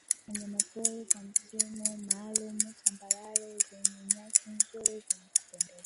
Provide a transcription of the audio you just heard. Wanyamapori kwa msimu maalumu Tambarare zenye nyasi nzuri zenye kupendeza